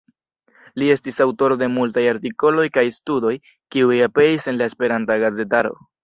Li estis aŭtoro de multaj artikoloj kaj studoj, kiuj aperis en la Esperanta gazetaro.